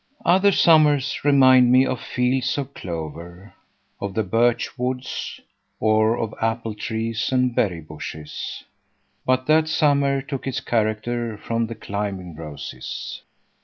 Other summers remind me of fields of clover, or of birch woods, or of apple trees and berry bushes, but that summer took its character from the climbing roses.